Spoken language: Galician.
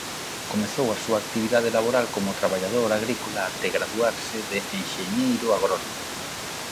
Comezou a súa actividade laboral como traballador agrícola até graduarse de enxeñeiro agrónomo.